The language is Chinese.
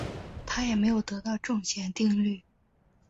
他也没有得到正弦定律。